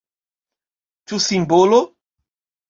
Ĉu simbolo?